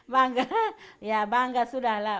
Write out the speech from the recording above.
bangga ya bangga sudah lah